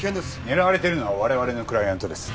狙われてるのは我々のクライアントです。